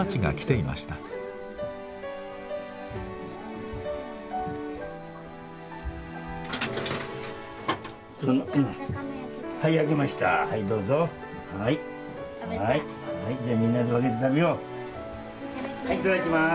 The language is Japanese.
いただきます。